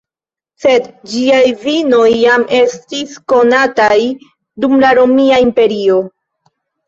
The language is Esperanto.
Sed ĝiaj vinoj jam estis konataj dum la Romia Imperio.